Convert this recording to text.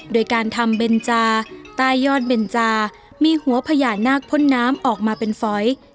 โดยการทำเบนจาใต้ยอดเบนจามีหัวพญานาคพ่นน้ำออกมาเป็นฝอย